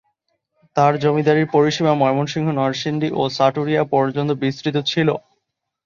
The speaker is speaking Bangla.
তার জমিদারীর পরিসীমা ময়মনসিংহ, নরসিংদী ও সাটুরিয়া পর্যন্ত বিস্তৃত ছিল।